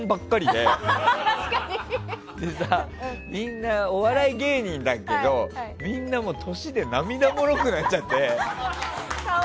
でさ、みんなお笑い芸人だけどみんな年で涙もろくなっちゃって。